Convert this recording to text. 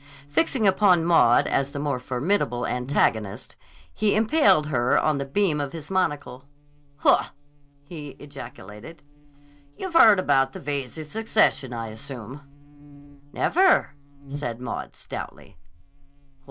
Fixing upon Maud as the more formidable antagonist, he impaled her on the beam of his monocle. "Haw!" he ejaculated. "You've heard about the Veyze Succession, I assume." "Never," said Maud stoutly.